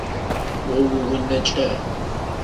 О уиунэ кӏэ.